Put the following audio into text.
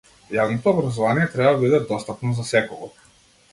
Јавното образование треба да биде достапно за секого.